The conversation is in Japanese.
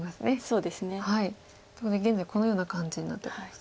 そうですね。ということで現在このような感じになっております。